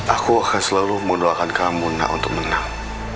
aku akan selalu menolakkan kamu nak untuk menang